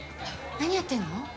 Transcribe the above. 何やってんの？